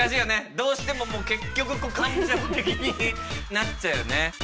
どうしても結局感情的になっちゃうよね。